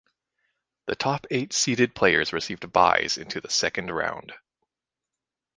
The top eight seeded players received byes into the second round.